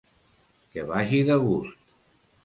Que vagi de gust!